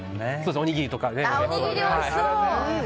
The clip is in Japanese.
おにぎりとかで。